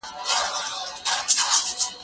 زه له سهاره کتابونه لولم،